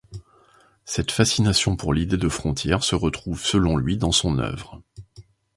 Cette fascination pour l'idée de frontière se retrouve selon lui dans son œuvre.